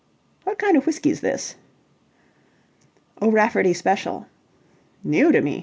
What kind of whisky's this?" "O'Rafferty Special." "New to me.